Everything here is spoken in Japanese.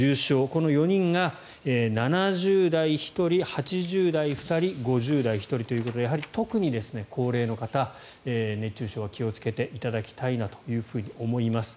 この４人が７０代１人、８０代２人５０代１人ということで特に高齢の方、熱中症は気をつけていただきたいなと思います。